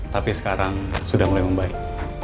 tapi sekarang sudah mulai membaik